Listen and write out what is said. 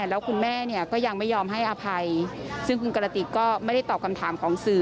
แล้วคุณแม่เนี่ยก็ยังไม่ยอมให้อภัยซึ่งคุณกระติกก็ไม่ได้ตอบคำถามของสื่อ